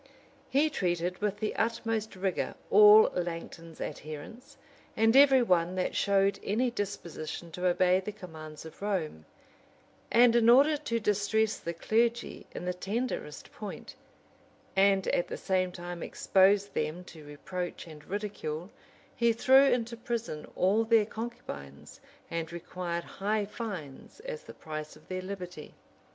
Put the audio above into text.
170] He treated with the utmost rigor all Langton's adherents, and every one that showed any disposition to obey the commands of Rome: and in order to distress the clergy in the tenderest point, and at the same time expose them to reproach and ridicule, he threw into prison all their concubines, and required high fines as the price of their liberty.